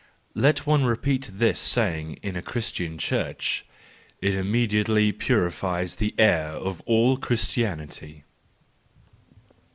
" Let one repeat this saying in a Christian church:—it immediately purifies the air of all Christianity.